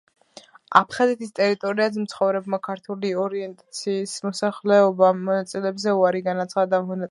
აფხაზეთის ტერიტორიაზე მცხოვრებმა ქართული ორიენტაციის მოსახლეობამ მონაწილეობაზე უარი განაცხადა.